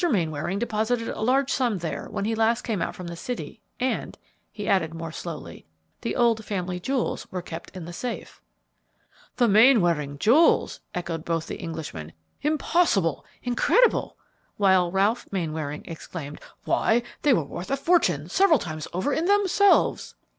Mainwaring deposited a large sum there when he last came out from the city, and," he added more slowly, "the old family jewels were kept in the safe." "The Mainwaring jewels!" echoed both the Englishmen. "Impossible! incredible!" While Ralph Mainwaring exclaimed, "Why, they were worth a fortune several times over in themselves!"